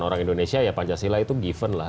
orang indonesia ya pancasila itu given lah